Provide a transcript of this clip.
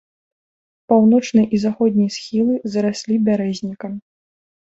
Паўночны і заходні схілы зараслі бярэзнікам.